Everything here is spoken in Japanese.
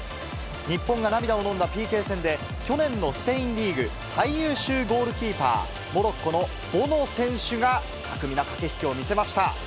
日本が涙をのんだＰＫ戦で、去年のスペインリーグ最優秀ゴールキーパー、モロッコのボノ選手が巧みな駆け引きを見せました。